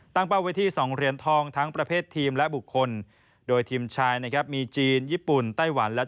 ตั้งเป้าเวที่สองเรียนทองทั้งประเภททีมและบุคคล